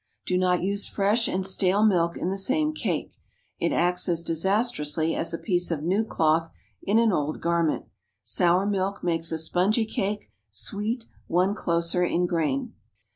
Do not use fresh and stale milk in the same cake. It acts as disastrously as a piece of new cloth in an old garment. Sour milk makes a spongy cake; sweet, one closer in grain.